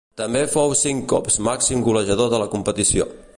També fou cinc cops màxim golejador de la competició.